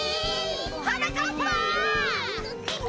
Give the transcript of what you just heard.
はなかっぱ！